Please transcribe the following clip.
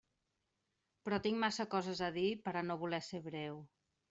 Però tinc massa coses a dir per a no voler ser breu.